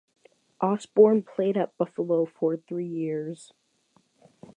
Osborn played at Buffalo for three years.